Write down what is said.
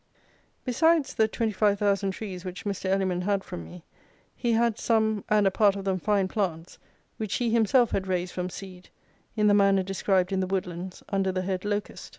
Besides the 25,000 trees which Mr. Elliman had from me, he had some (and a part of them fine plants) which he himself had raised from seed, in the manner described in The Woodlands under the head "Locust."